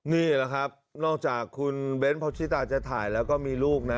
นี่แหละครับนอกจากคุณเบ้นพอชิตาจะถ่ายแล้วก็มีลูกนะ